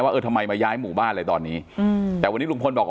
เออทำไมมาย้ายหมู่บ้านเลยตอนนี้อืมแต่วันนี้ลุงพลบอก